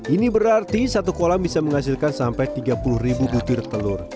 ini berarti satu kolam bisa menghasilkan sampai tiga puluh ribu butir telur